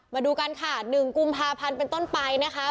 มาดูกันค่ะ๑กุมภาพันธ์เป็นต้นไปนะคะ